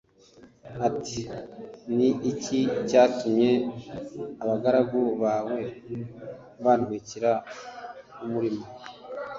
ati “Ni iki cyatumye abagaragu bawe bantwikira umurima?”